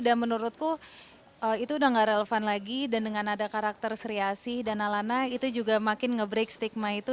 dan menurutku itu udah gak relevan lagi dan dengan ada karakter sri asih dan alana itu juga makin nge break stigma itu